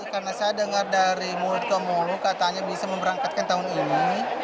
karena saya dengar dari murid kamulu katanya bisa memberangkatkan tahun ini